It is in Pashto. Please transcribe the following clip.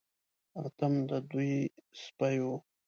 اتم د دوی سپی و.